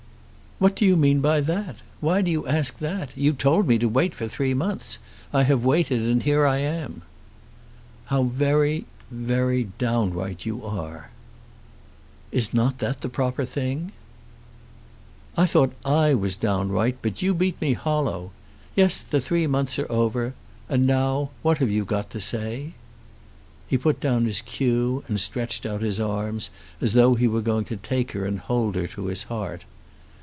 "What do you mean by that? Why do you ask that? You told me to wait for three months. I have waited, and here I am." "How very very downright you are." "Is not that the proper thing?" "I thought I was downright, but you beat me hollow. Yes, the three months are over. And now what have you got to say?" He put down his cue, and stretched out his arms as though he were going to take her and hold her to his heart.